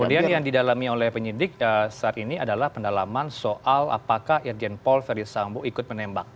kemudian yang didalami oleh penyidik saat ini adalah pendalaman soal apakah yergenpol perdisambu ikut menembak